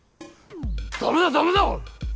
ダメだダメだ！